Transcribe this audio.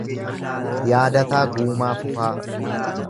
Yaadataa Guumaa Fufaa